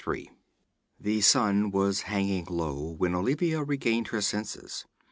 3 The sun was hanging low when Olivia regained her senses.